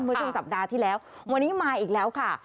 เมื่อช่วงสัปดาห์ที่แล้ววันนี้มาอีกแล้วค่ะ